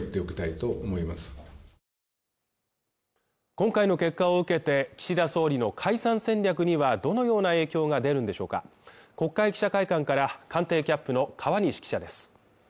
今回の結果を受けて岸田総理の解散戦略にはどのような影響が出るんでしょうか国会記者会館から官邸キャップの川西記者です